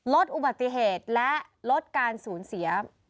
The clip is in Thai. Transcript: ลดอุบัติเหตุและลดการสูญเสีย